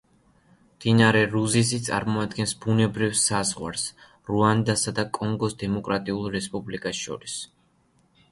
მდინარე რუზიზი წარმოადგენს ბუნებრივ საზღვარს რუანდასა და კონგოს დემოკრატიულ რესპუბლიკას შორის.